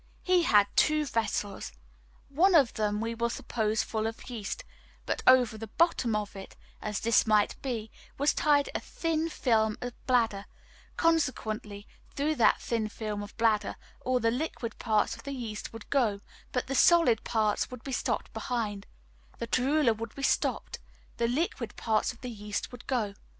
He had two vessels one of them we will suppose full of yeast, but over the bottom of it, as this might be, was tied a thin film of bladder; consequently, through that thin film of bladder all the liquid parts of the yeast would go, but the solid parts would be stopped behind; the torula would be stopped, the liquid parts of the yeast would go.